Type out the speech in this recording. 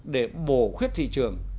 để bổ khuyết thị trường